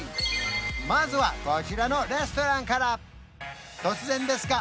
まずはこちらのレストランから突然ですが